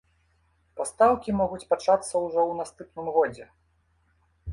Пастаўкі могуць пачацца ўжо ў наступным годзе.